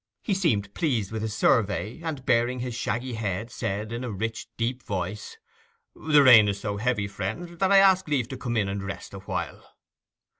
He seemed pleased with his survey, and, baring his shaggy head, said, in a rich deep voice, 'The rain is so heavy, friends, that I ask leave to come in and rest awhile.